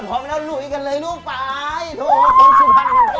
ถ้าพร้อมแล้วลุยกันเลยลูกฝ่ายโอ้โฮผมสุขันธ์กันขัง